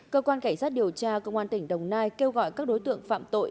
cơ quan cảnh sát điều tra công an tỉnh đồng nai kêu gọi các đối tượng phạm tội